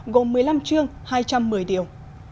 gồm một mươi năm chương hai trăm một mươi điều